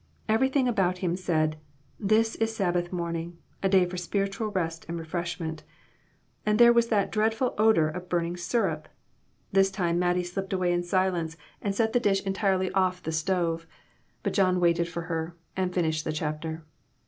Everything about him said " This is Sabbath morning a day for spiritual rest and refreshment." And there was that dreadful odor of burning syrup ! This time Mat tie slipped away in silence, and set the dish 98 BONNETS, AND BURNS, AND BURDENS. entirely off the stove; but John waited for her, and finished the chapter.